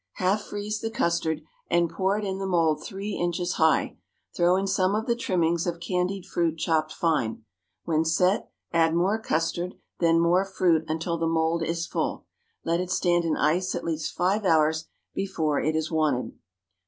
Half freeze the custard, and pour it in the mould three inches high; throw in some of the trimmings of candied fruit chopped fine. When set, add more custard, then more fruit, until the mould is full. Let it stand in ice at least five hours before it is wanted.